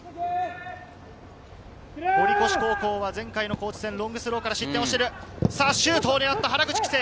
堀越高校は前回、ロングスローから失点している。